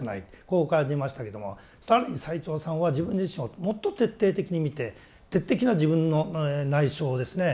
こう感じましたけども更に最澄さんは自分自身をもっと徹底的に見て自分の内証ですね